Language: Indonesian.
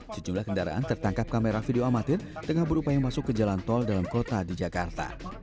sejumlah kendaraan tertangkap kamera video amatir tengah berupaya masuk ke jalan tol dalam kota di jakarta